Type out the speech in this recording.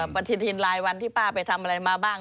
บางทีทีนรายวันที่ป้าไปทำอะไรมาบ้าง